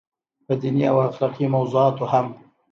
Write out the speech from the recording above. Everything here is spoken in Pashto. پۀ ديني او اخلاقي موضوعاتو هم